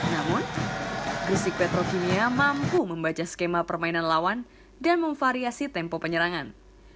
namun gresik petrokimia mampu membaca skema permainan lawan dan memvariasi tempo penyerangan